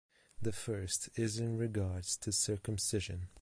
The first is in regards to circumcision.